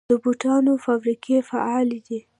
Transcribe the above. د بوټانو فابریکې فعالې دي؟